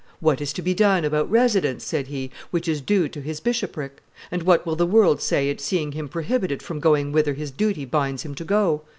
"What is to be done about residence," said he, "which is due to his bishopric? and what will the world say at seeing him prohibited from going whither his duty binds him to go?"